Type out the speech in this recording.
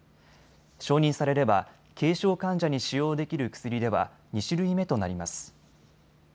承認されれば軽症患者に使用できる薬では２種類目となります。